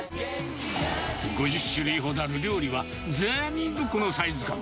５０種類ほどある料理は、全部このサイズ感。